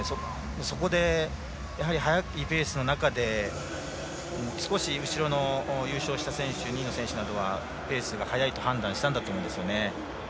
そこで、やはり速いペースの中で少し後ろの優勝した選手２位の選手などはペースが速いと判断したんだと思うんですよね。